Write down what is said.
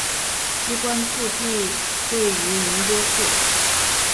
机关驻地位于宁波市。